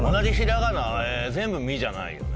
全部「み」じゃないよね。